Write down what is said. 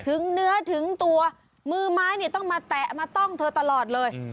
ถึงเนื้อถึงตัวมือไม้เนี่ยต้องมาแตะมาต้องเธอตลอดเลย